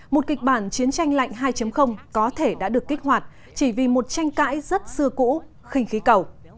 một kịch bản chiến tranh lạnh hai có thể đã được kích hoạt chỉ vì một tranh cãi rất xưa cũ khinh khí cầu